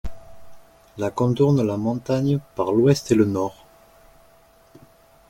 La contourne la montagne par l'ouest et le nord.